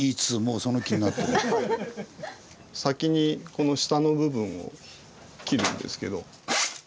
先にこの下の部分を切るんですけど。